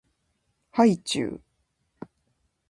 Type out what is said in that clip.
はいちゅう